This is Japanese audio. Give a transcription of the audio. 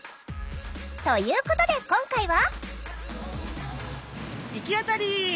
ということで今回は。